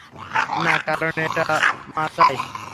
না, কারন এটা মা চায়।